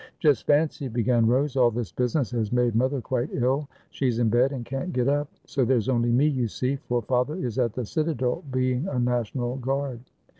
"Just fancy," began Rose, "all this business has made mother quite ill; she's in bed, and can't get up. So there's only me, you see, for father is at the citadel, be ing a National Guard.